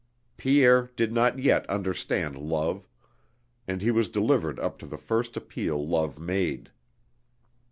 Pierre did not yet understand love; and he was delivered up to the first appeal love made.